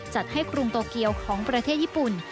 จัดให้กรุงโตเกียวของประเทศญี่ปุ่น